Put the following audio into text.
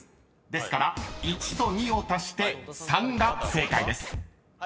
ですから１と２を足して「３」が正解です］